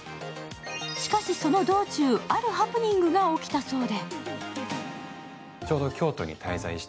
しかし、その道中、あるハプニングが起きたそうで。